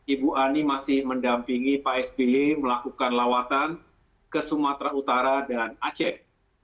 ibu ani masih mendampingi pak sby melakukan lawatan ke sumatera utara dan aceh